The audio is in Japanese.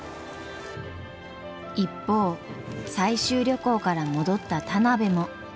一方採集旅行から戻った田邊も。